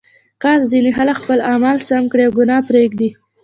کاش ځینې خلک خپل اعمال سم کړي او ګناه پرېږدي.